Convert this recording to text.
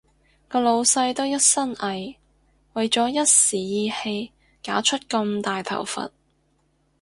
個老闆都一身蟻，為咗一時意氣搞出咁大頭佛